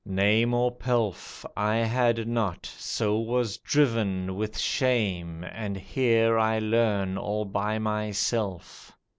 Name or pelf I had not, so was driven with shame, And here I learn all by myself.